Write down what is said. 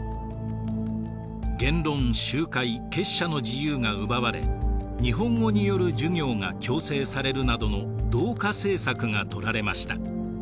言論集会結社の自由が奪われ日本語による授業が強制されるなどの同化政策がとられました。